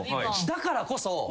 だからこそ。